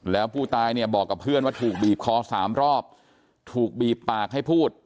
แล้วผู้ตายเนี่ยบอกกับเพื่อนว่าถูกบีบคอสามรอบถูกบีบปากให้พูด